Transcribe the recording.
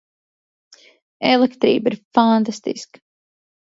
Elektrība ir fantastiska!